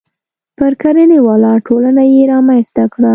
پر کرنې ولاړه ټولنه یې رامنځته کړه.